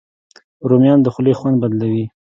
رومیان د خولې خوند بدلوي